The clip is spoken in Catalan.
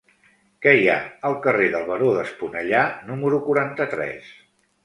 Què hi ha al carrer del Baró d'Esponellà número quaranta-tres?